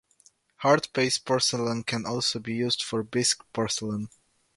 Hard-paste porcelain can also be used for bisque porcelain.